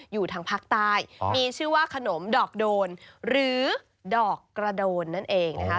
อยู่ทางภาคใต้มีชื่อว่าขนมดอกโดนหรือดอกกระโดนนั่นเองนะคะ